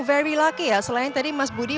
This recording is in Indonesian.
very lucky ya selain tadi mas budi